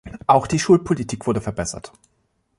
Auch die Schulpolitik wurde verbessert.